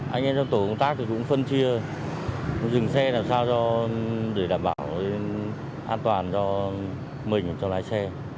anh em trong tổ công tác thì cũng phân chia dừng xe làm sao để đảm bảo an toàn cho mình cho lái xe